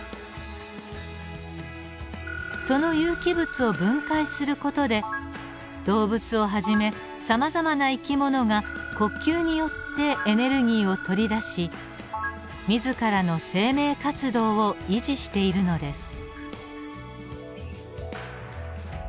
その有機物を分解する事で動物をはじめさまざまな生き物が呼吸によってエネルギーを取り出し自らの生命活動を維持しているのです。